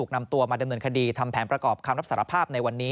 นำตัวมาดำเนินคดีทำแผนประกอบคำรับสารภาพในวันนี้